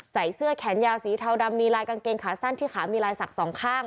ใส่เสื้อแขนยาวสีเทาดำมีลายกางเกงขาสั้นที่ขามีลายศักดิ์สองข้าง